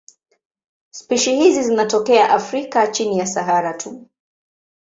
Spishi hizi zinatokea Afrika chini ya Sahara tu.